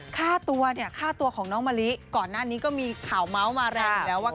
ค่าตัวเนี่ยค่าตัวของน้องมะลิก่อนหน้านี้ก็มีข่าวเมาส์มาแรงอยู่แล้วว่า